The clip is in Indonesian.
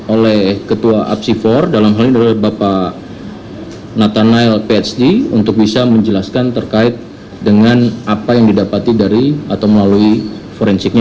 oleh ketua apsifor dalam hal ini oleh bapak natanile phd untuk bisa menjelaskan terkait dengan apa yang didapati dari atau melalui forensiknya